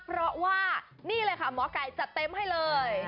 เพราะว่านี่เลยค่ะหมอไก่จัดเต็มให้เลย